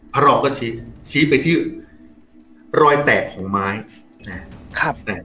พระรองค์ก็ชี้ชี้ไปที่รอยแตกของไม้